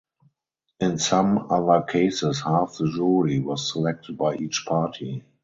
In some other cases half the jury was selected by each party.